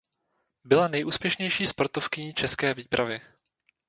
Byla nejúspěšnější sportovkyní české výpravy.